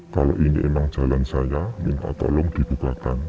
kalau ini memang jalan saya minta tolong digugatkan